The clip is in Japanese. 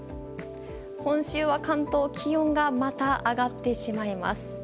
今週は関東気温がまた上がってしまいます。